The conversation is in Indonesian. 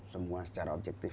semua secara objektif